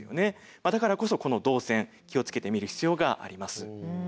だからこそこの動線気を付けてみる必要があります。